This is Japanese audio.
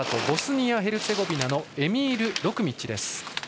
ボスニア・ヘルツェゴビナのエミール・ロクミッチです。